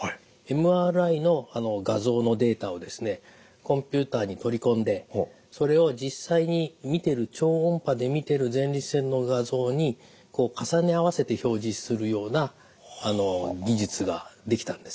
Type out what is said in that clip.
ＭＲＩの画像のデータをですねコンピューターに取り込んでそれを実際に見てる超音波で見てる前立腺の画像に重ね合わせて表示するような技術が出来たんですね。